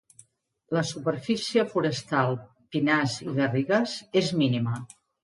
La superfície forestal -pinars i garrigues- és mínima.